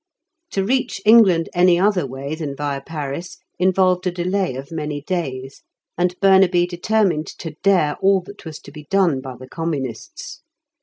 To reach England any other way than via Paris involved a delay of many days, and Burnaby determined to dare all that was to be done by the Communists.